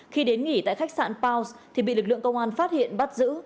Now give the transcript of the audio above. khi đến nghỉ tại khách sạn paos thì bị lực lượng công an phát hiện bắt giữ